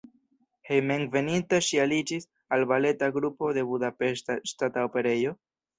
Hejmenveninta ŝi aliĝis al baleta grupo de Budapeŝta Ŝtata Operejo.